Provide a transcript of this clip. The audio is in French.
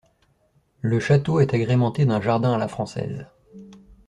Le château est agrémenté d'un jardin à la française.